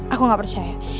aku gak percaya